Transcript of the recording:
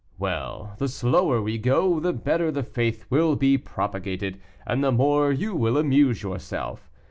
Well, the slower we go, the better the faith will be propagated, and the more you will amuse yourself.